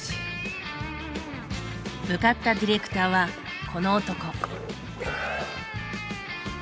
向かったディレクターはこの男。